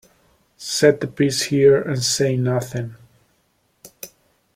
Set the piece here and say nothing.